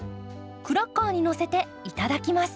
クラッカーにのせていただきます。